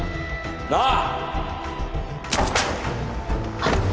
なあ！？